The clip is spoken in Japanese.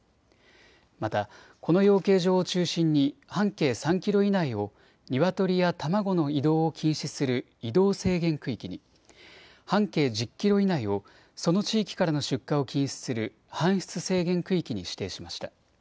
また、この養鶏場を中心に半径３キロ以内をニワトリや卵の移動を禁止する移動制限区域に、半径１０キロ以内をその地域からの出荷を禁止する搬出制限区域に指定しました。